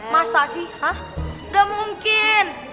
hah gak mungkin